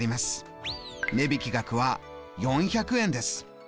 値引額は４００円です。